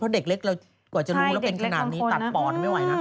เด็กเล็กเรากว่าจะรู้แล้วเป็นขนาดนี้ตัดปอดไม่ไหวนะ